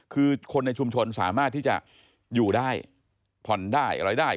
คือคนในชุมชนสามารถที่จะอยู่ได้ผ่อนได้อะไรได้